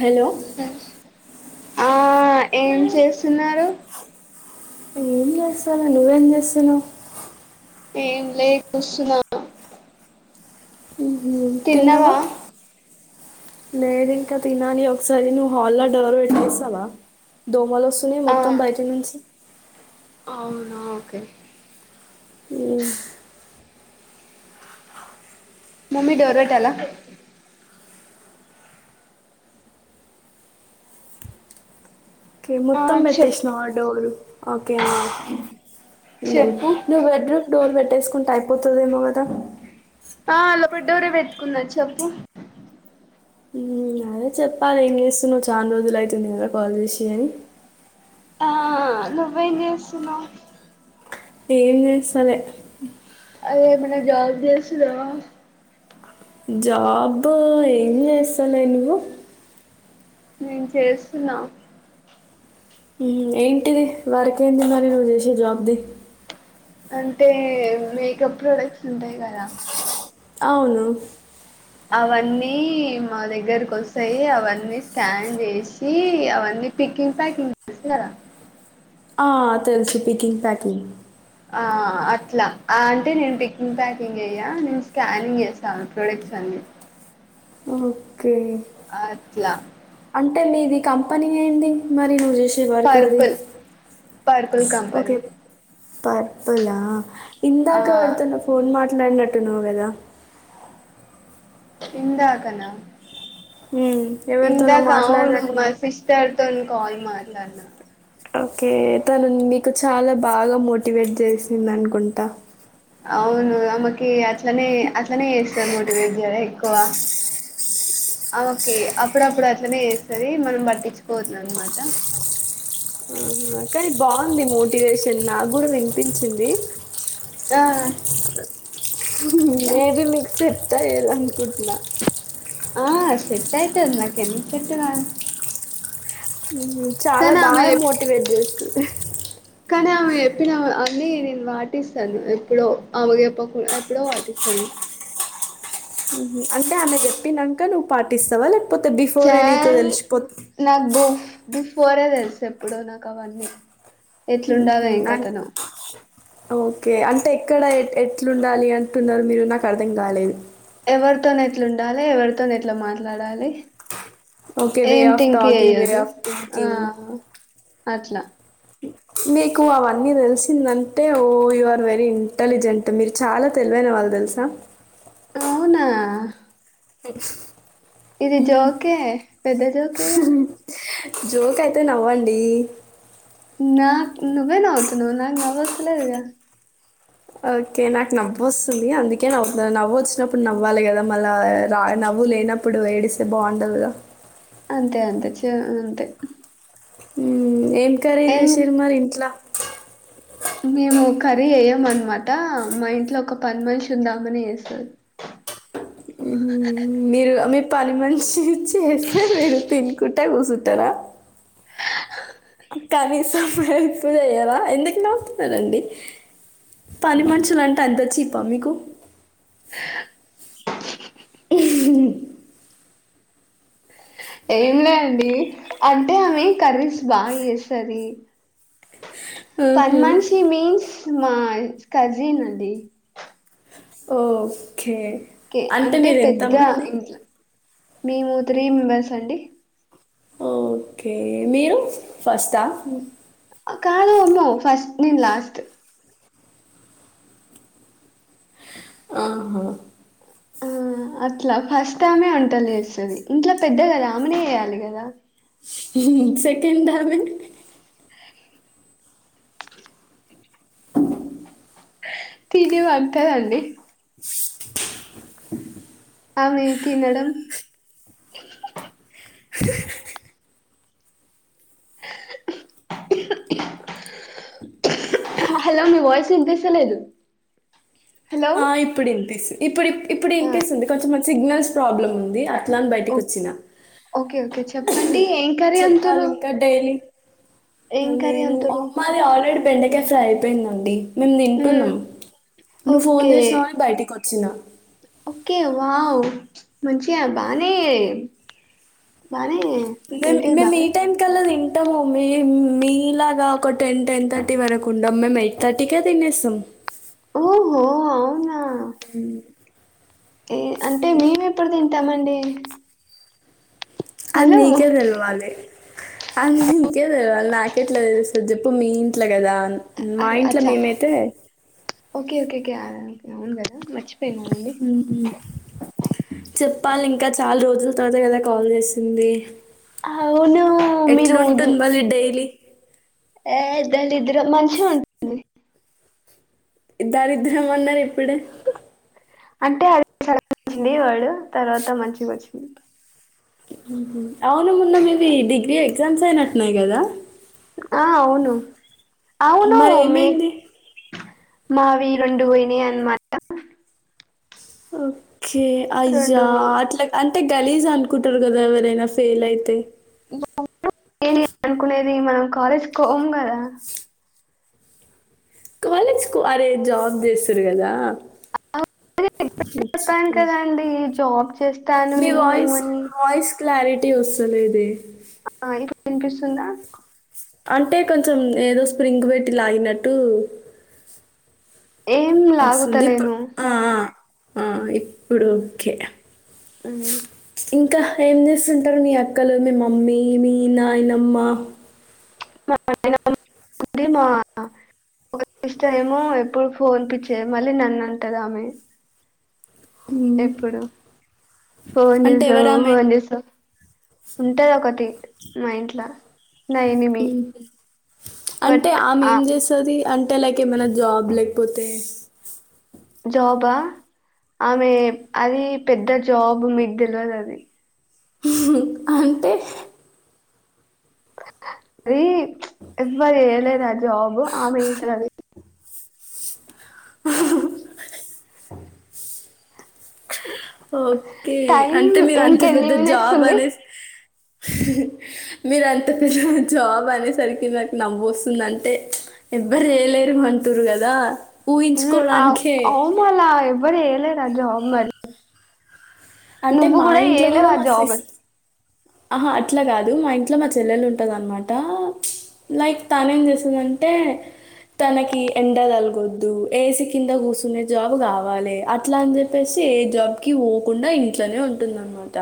Hello ఆ ఏం చేస్తున్నారు ఏం చేస్తాను నువ్వేం చేస్తునవ్వు ఏం లే చూస్తున్నా ఉహుం. తిన్నవా తిన్నావా లేదు ఇంకా తినాలి ఒకసారి నువ్వు హాల్ డోర్ పెట్టెస్తావా దోమలు వస్తుని ఆ మొత్తం బయటి నుంచి అవునా ఓకే ఇ మమ్మీ డోర్ వెట్టాల ఓకే ఆ మొత్తం చెప్ పెట్టేశ్న డోరు ఓకే ఆ ఉన్నది చెప్పు బెడ్ రూమ్ డోర్ పెట్ట పెట్టేసుకుంటా అయిపోతుందేమో కదా ఆ అలబడ్డరే పెట్టుకున్న చెప్పు ఉమ్, అదే చెప్పాలి ఏం చేస్తున్నావ్ చాలా రోజులు ఐతుంది కదా కాల్ చేసి అని ఆ నువ్వేం చేస్తున్నావ్ ఏం చేస్తాలే రే ఏమన్న జాబ్ చేస్తున్నావా జాబ్ ఎం చేస్తాలేను నేను చేస్తున్నా ఏంటిది వారిక ఏంది మరి నువ్వు చేసే జాబ్ది అంటే మేకప్ ప్రొడక్ట్స్ ఉంటాయి కదా అవును అవన్నీ మా దగ్గరకి వస్తాయి అవన్నీ స్కాన్ చేసి అవన్నీ పికింగ్ ప్యాకింగ్ చేసార ఆ తెలుసు పీకింగ్ ప్యాక్ని ఆ అట్లా అంటే నేను పికింగ్ ప్యాకింగ్ చేయ్యా నేను స్కానింగ్ చేస్తాను ప్రోడక్ట్స్ అన్ని ఆ అట్లా అంటే మీది కంపెనీ అయింది మరి నువ్ పర్పుల్ పర్పుల్ కంపెనీ ఓకే. పర్పులా ఆ ఇందాక ఎవరితోనో ఫోన్ మాట్లాడినట్ ను కదా ఇందాకనా హ్మ్. ఎవరితోనో ఇందాకా అవును మా మాట్లాడినట్టున్నావు. సిస్టర్తోోని కాల్ మలా నా ఓకే తను మీకు చాల బాగా మోటివేట్ చేసింది అనుకుంటా అవును ఆమె కి అట్లనే అట్లనే చేస్తది మోటివేట్ కదా చేస్తది ఎక్కువ ఆమే కి అప్పుడప్పుడు అట్లనే చేస్తది మనం పట్టించుకోవద్దు అనమాట కానీ బాగుంది మోటివేషన్ నాకు కూడా వినిపించింది ఆ ఏది మీకు తైలనుకుంటనా ఆ సెట్యితేందక ఎంత సెట్ కా చాలా బాగా మోటివేట్ చేస్తుాంది కానీ ఆమె చెప్పిన అన్ని నేను వాటిస్తాను ఎప్పుడో ఆమె గ చెప్పకుడా ఎప్పుడో వాటిస్తాను నేను అంటే ఆమె చెప్పాక నువ్వు పాటిస్తావ పోతే బిఫోర్ నీకు చాల్ తెలిసిపో నాకు బు బిఫోరే తెలుసు ఎప్పుడు నాకు అవన్నీ ఎట్లు ఉండవే మ్మ్. కతను కె అంటే ఎక్కడ ఎ ఎట్లుండాలి అంటున్నారు మీరు నాకు అర్థం కాలేదు ఎవరితోన్ ఎట్లు ఉండాలి ఎవరితోని ఎట్లా మాట్లాడాలి ఓకే వే ఏం ఆఫ్ థింక్ టాకింగ్ వే చెయ్యొద్దు ఆఫ్ ఆ థంకింగ్ అట్లా మీకు అవన్నీ తెలిసిందంటే ఓ యు వ ఆర్ వెరీ ఇంటలిజెంట్ మీరు చాలా తెలివైన వాళ్ళు తెలుసా అవునా ఉ హ్ ఇది జోకే పెద్దదికేగా జోక్ అయితే నవ్వండీ నాకు నువ్వే నవ్వుతున్నవ్ నాకు నవ్వస్తలేదుగా ఓకే నాకు నవ్్వ వస్తుంది అందుకే్వు నవ్వు వచ్చినప్పుడు నవ్వాలి కదా మళ్ళా రా నవ్వు లేనప్పుడు వేడిస్తే బాగుండదుగా అంతే అంతే చే అంతే ఏమ్ ఇంకరేజ్ ఏం చేసిారు మరి ఇంట్లా మేము కర్రీ వేయం అనమాట మా ఇంట్లో ఒక పని మనిషి ఉందామని వేస్తుంది మ్మ్. మీరు ఆమ్ మే పాని మంచి చేస్తారు మీరు తినుకున్ ట్టా కూచుంటారా కనీసం ఎకుయారా ఎందుకు నవుతున్నారండి పని మనుషులు అంటే అంత చీపా మీకు ఏం లే అండి అంటే ఆమె కర్రీస్ బాగా ఇేస్తుంది పన్ మ్హూ. మనిషి మీన్స్ మా కజీన్ండి ఓకే కే అంటే మీరు పెద్ద ఎంతమంది ఇంట్ల మేము త్రీ మెంబర్స్ అండి ఓకే మీరు ఫస్టా కాదు మ్మ ఫస్ట్ నేను లాస్ట్ ఆహా ఆ అట్లా ఫస్ట్ టైమే వంటల్ చేస్తది ఇంట్లో పెద్ద కదా ఆమెనే చేయాలి కదా మ్ సెకండమే తిని వత్తది అది [unintelligible] అవునే తినడం హలో మీ మయి చంతసలేదు ఆ ఇప్పుడు ఇనిపిస్తుంది ఇప్పుడు ఇప్పుడు ఆ ఇనిపిస్తుంది కొంచెంమం సిగ్నల్స్ ప్రాబ్లం ఉంది అన్ ట్లాని బయటికి వచ్చిన చెప్పన్ చెప్పాలి ఇంకా డైరీ ఏం అ కర్రీ నేను అంతురు అమ్మా లె ఆల్రెడీ పెండక ఫ్రైపోయింద అండి మేము మ్మ్ తింటున్నాం నువ్వు ఫోన్ ఓకే చేసినావని బయటికి వచ్చిన మంచియా బానే బానే మ ఏంటి మ మీ బానే టైమ్ కల్ నిం ఉంటాము మీ మీలాగా ఒక టెన్ టెన్ థర్టీ వరకు ఉండాం మేము ఎయిట్ థర్టీకే తినేస్తాం ఓహో అవును అంటే మేము ఎప్పుడు తింటామండి ఆ అ నీకే తెల్వాలి అ ఇంకే తె వాాలి నాకెట్లా తెస్తుంది చెప్పు మీ ఇంట్లో కదా మా అరే ఇంట్లో అచ్చా మేమైతే ఓకే ఓకే ఓకే అవు మ చెప్పాలి ఇంకా చాలా రోజు అజ తత కదా కాల్ చేసింది అవును మీరు ఎట్లుంటుంది ఉదు- మళ్ళీ డైలీ ఏ ఇద్దలిద్ద్ర మనిషి ఉంటుంది ఇద్దారుద్ద్రమన్న ఇప్పుడే అంటే అది వాడు తర్వాత మంచిగా వచ్చింది అవును మొన్న మీవి డిగ్రీ ఎగ్జామ్స్ అయినట్టున్నాయి కదా ఆ అవును అవును మరి మీ ఏమైంది మావి రెం పోయిన అన్నమాట ఓ కే అయ్యా రెండు అట్లాగ్ అంటే గలీజ్ అనుకుంటురు కదా ఎవరైనా ఫేలైతే ఏందే అనుకునేది మనం కాలేజ్ కోం గదా కాలేజ్ కు అరే జాబ్ చేస్సురు గదా [unintelligible] చెప్పాను కదండి జాబ్ చేస్తాను మీ నేను వాయిస్ అని వాయిస్ క్లారిటీ వస్సలేదే ఆ ఇంకా వినిపిస్తుందా ప్చ్ అంటే కొంచెం ఏదో స్ప్రింగ్ వెట్టిలాగినట్టు ఏం ఇప్పుడు లాగుతలేను ఆ, ఆ ఇప్పుడు ఓకే మ్మ్ ఇంకా యేం జేస్సుంటరు మీ అక్కలు మీ మమ్మీ మీ నాయనమ్మ మా [unintelligible] ఇస్తే ఏమో ఎప్పుడు ఫోన్ పిచ్చే మళ్ళీ నన్ను అంటది ఆమె. మ్మ్. ఎప్పుడు ఫోన్ అంటే జూసవ్ ఎవరామె ఫోన్ జూస్సవ్ ఉంటది ఒకటి. నా ఇంట్లా అంటే బట్ ఆమె ఆ ఏం జేస్సది అంటే లైక్ ఏమైనా జాబ్ లేకపోతే జాబా ఆమె అది పెద్ద జాబ్ మీకు దెలివదు అది అంటే అర ఎవవారు ఏళ రా జాబు ఆమె స ఓకే టైం అంటే మీరు అంత ఇంకెన్ని పెద్ద మినిట్స్ జాబ్ ఉంది అనే మీరు అంత పిల్ల జాబ్ అనేసరికి నాకు నవ్స్తుందింటే ఎవ్వరు వేయలేరు అంటూరు కదా ఊహించుకోవడానికే అవుమాలా ఎబ్్వరు ఏళ జవాబ మరి అంటే నువ్వు మా కూడా ఇంట్లో ఏయలే కూడా మా సిస్ జాబ్స్ ఆహా అట్లా కాదు మా ఇంట్లో మా చెల్లెలు ఉంటద అనమాట లైక్ తను ఏం చేసందంటే తనకి ఎండ కలగొద్దు ఏసీ కింద కూర్చునే జాబ్ కావాలి అట్లా అని చెప్పేసి ఏ జాబ్కి పోకుండా ఇంట్లోనే ఉంటుంద అనమాట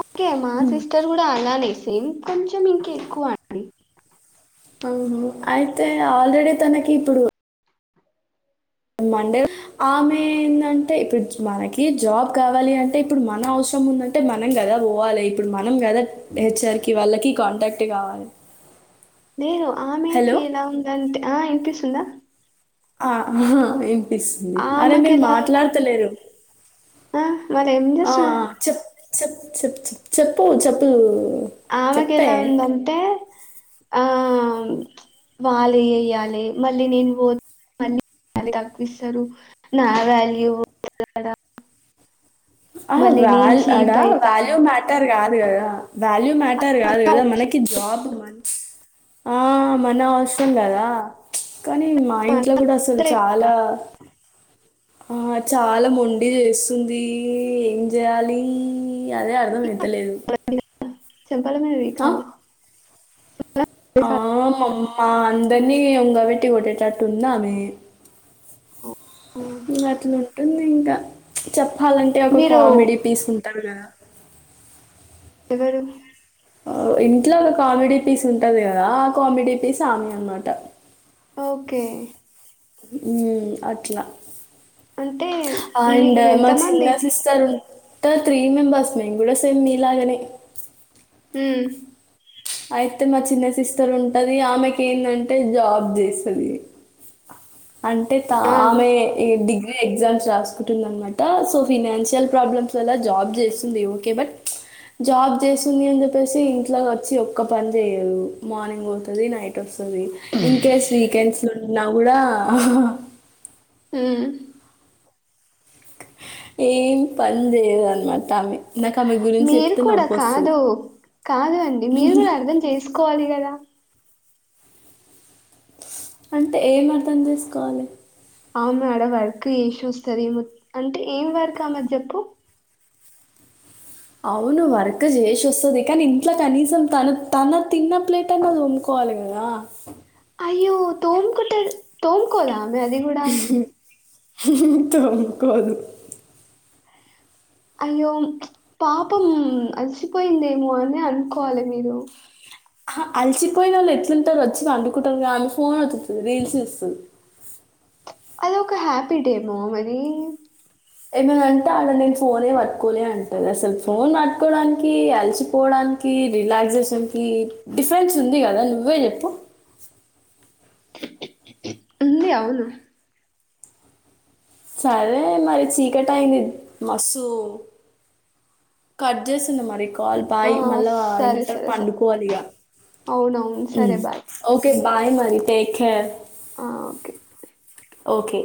ఓకే మా సెస్ట్ ఇక్కడ కూడా అలానే సేమ్ కొంచెం ఇంక ఎక్కువ అడి అ అయితే ఆల్రెడీ తనకి ఇప్పుడు మండే ఆమె ఏందంటే ఇప్పుడు మనకి జాబ్ కావాలి అంటే ఇప్పుడు మన అవసరం ఉందంటే మనం కదా పోవాలి ఇప్పుడు మనం కదా హెచ్ఆర్కి వాళ్ళకి కాంటాక్ట్ కావాలి నేరు ఆమెకి ఇలా ఉందంటే ఆ ఇంటింటిస్తుందా ఆ హ పిస్తుంది అరే ఆమెకి మీరు ఎలా ఉం మాట్లాడతలేరు ఆ మరి ఏం ఆ చేస్తున్నారు చెప్ చెప్పు చెప్పు చె చెప్పు చెప్పులు ఆమెకెల ఉందంటే ఆ వాళ్ళే ఏయాలి మళ్ళీ నేను పో మళ్ తక్కుస్తారు నా వాల్యూ ఆ మళ్ళీ నేను వల్ అడా చీప్ అయితా వాల్యూ మ్యాటర్ కాదు కదా ఆ వాల్యూ మ్యాటర్ కాదు కదా మనకి జాబ్ మచు ఆ మన అవసరం కదా కానీ మా ఇంట్లో కూడా అసలు చాలా ఆ చాలా మొండి చేస్తుంది ఏ ఏం చేయాలి ఈ అదే అర్థం ఐతలేదు త చెప్పాలా మీద వి కాదు ఆ మామ్మ అందరినీ ఒంగవేట్ పటి గట్టే తట్టుంది అమె గట్లు ఉంటుంది ఇంకా చెప్ అలాంటే ఒక మీరు కామెడీ పీస్ ఉంటారు కదా ఎవరు ఆ ఇంట్లో ఒక కామెడీ పీస్ ఉంటది కదా ఆ కామెడీ పీస్ ఆమెనే అన్నమాట ఓకే ఉ అట్లా అంటే అండ్ మీకు మా చిన్న ఎంతమంది సిస్టర్ ఉన్ ఇంకా త్రీ మెంబర్స్ మేము కూడా సేమ్ మీ లాగనే మ్ అయితే మా చిన్న సిస్టర్ ఉంటది ఆమెకి ఏందంటే జాబ్ చేస్తది అంటే త ఆ ఆమె ఎడ్డి ఎగ్జామ్స్ రాసుకుటుంది అన్మాట సో ఫినాన్షియల్ ప్రాబ్లమ్స్ వల్ల జాబ్ చేస్తుంది ఓకే బట్, జాబ్ చేస్తుంది అని చెప్పేసి ఇంట్లో వచ్చి ఒ క్క పని జేయదు మార్నింగ్ పోతది నైట్ ఒస్ తది ఇన్ కేస్ వీకెండ్స్ ఉన్నా వుగూడా ఉమ్ ఏం పన్ జేయదన్మాట్ మీరు కూడ కాదు కాదు అండి మీరు గూడ అర్థం చేస్కో కోవాలి గదా. అంటే ఏం అర్థం చేసుకోవాలె? ఆమె ఆడ వర్క్ చేసొస్తది మోత్ అంటే ఏం వర్క్ అమెది చెప్పు? అవును వర్క్ చేసోస్తది కనీ ఇంట్ల కనీసం తను తన తిన్న ప్లేట్ అయిన తోముకోవాలి గదా. అయ్యో తోమ్ కుట్టది తోంకోదా? మె అది గూడ తొంకోదు అయ్యో పాపం అలసిపోయిందేమో అని అనుకోవాలె మీరు. అహ అలిచిపోయినోళ్ళు ఎట్లుంటరు వచ్చి పండుకుంటరుగా ఆమె ఫోన్ ఒత్తుతది, రీల్స్ జూస్తది. అదొకా ఒక హ్యాబిటేమో మరీ? ఏమైనంటే ఆడ నేను ఫోనే పట్టుకోలే అంటది, అసలు ఫోన్ పట్టుకోవడానికి అలిసిిపోవడానికి రిలాక్సేషన్ కి డిఫరెన్స్ ఉంది గదా నువ్వే చెప్పు? ఉంది అవును. సరే మరి చీకటయింది మస్తూ కట్ జేసింది మరి. కాల్ ఆ! బాయ్ మళ్ళా సరే, ఏమంటరు సరే, సరే. పండుకోవాలిగా అవునవును. సరే ఉమ్ బాయ్. ఓకే. బాయ్ మరి టేక్కేర్. ఆ ఓకే. ఓకే